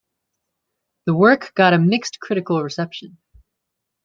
The work got a mixed critical reception.